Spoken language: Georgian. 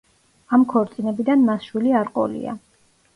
ამ ქორწინებიდან მას შვილი არ ყოლია.